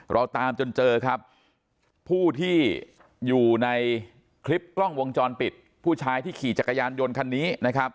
เราตามจนเจอครับผู้ที่อยู่ในคลิปกล้องวงจรปิดผู้ชายที่ขี่จักรยานยนต์คันนี้นะครับ